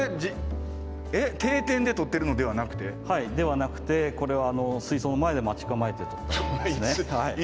定点で撮ってるのではなくて？ではなくてこれは水槽の前で待ち構えて撮ったんですね。